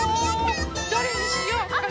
どれにしようかな？